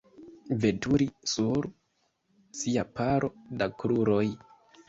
Veturi sur sia paro da kruroj.